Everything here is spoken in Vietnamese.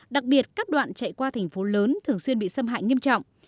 đặc biệt các đoạn chạy qua thành phố lớn thường xuyên bị xâm hại nghiêm trọng